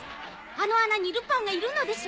あの穴にルパンがいるのでしょうか？